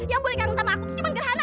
yang boleh kangen sama aku cuman gerhana